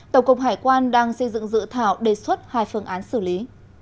tổng cục hải quan đang xây dựng dự thảo đề xuất hai phương án xử lý